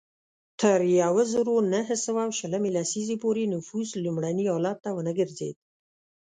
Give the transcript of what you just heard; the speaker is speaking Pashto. تر یوه زرو نهه سوه شلمې لسیزې پورې نفوس لومړني حالت ته ونه ګرځېد.